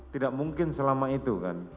tidak mungkin selama itu kan